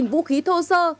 ba vũ khí thô sơ